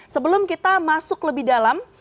sebelum kita masuk lebih dalam